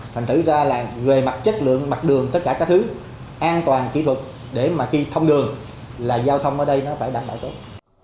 thành thử ra là về mặt chất lượng mặt đường tất cả các thứ an toàn kỹ thuật để mà khi thông đường là giao thông ở đây nó phải đảm bảo tốt